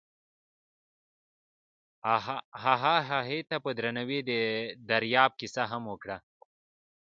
هغه هغې ته په درناوي د دریاب کیسه هم وکړه.